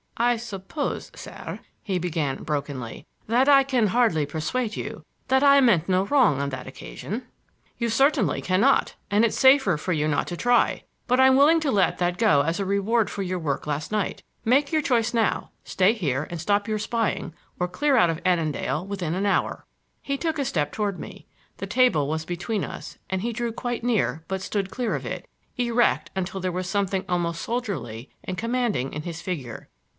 "I suppose, sir," he began brokenly, "that I can hardly persuade you that I meant no wrong on that occasion." "You certainly can not,—and it's safer for you not to try. But I'm willing to let all that go as a reward for your work last night. Make your choice now; stay here and stop your spying or clear out of Annandale within an hour." He took a step toward me; the table was between us and he drew quite near but stood clear of it, erect until there was something almost soldierly and commanding in his figure.